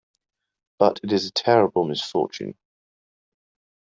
But it is a terrible misfortune.